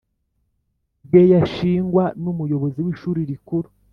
bwe yashingwa n Umuyobozi w Ishuri Rikuru